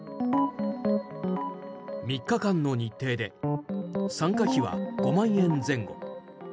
３日間の日程で参加費は５万円前後。